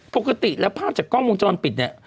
ปกติแล้วภาพจากกล้องวงจรปิดเนี่ย